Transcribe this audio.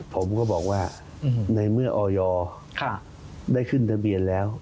ผมก็บอกว่าในเมื่อออยได้ขึ้นทะเบียนแล้ว